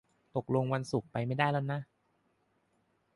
ตกลงวันศุกร์ไปไม่ได้แล้วนะ